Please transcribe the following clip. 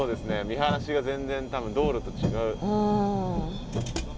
見晴らしが全然道路と違う。